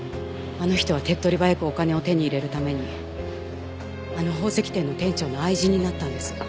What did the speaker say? あの人は手っ取り早くお金を手に入れるためにあの宝石店の店長の愛人になったんです。